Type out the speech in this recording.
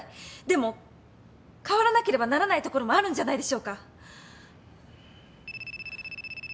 でも変わらなければならないところもあるんじゃないでしょうか？